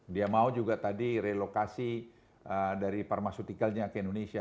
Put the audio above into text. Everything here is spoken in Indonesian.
dia mau juga tadi relokasi dari pharmaceuticalnya ke indonesia